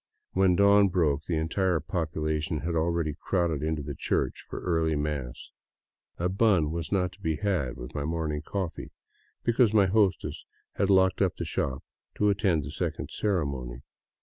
When dawn broke, the entire population had already crowded into the church for early mass. A bun was not to be had with my morning coffee, because my hostess had locked up the shop to attend the second ceremony.